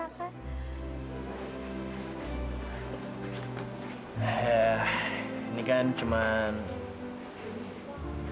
aku bingung aku harus gimana raka